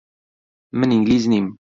من ئینگلیز نیم.